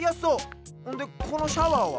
ほんでこのシャワーは？